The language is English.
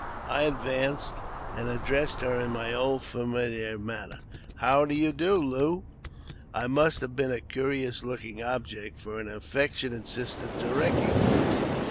I advanced, and addressed her in my old famihar manner, '' How do you do, Lou ?" I must have been a curious looking object for an affectionate «ister to recognize.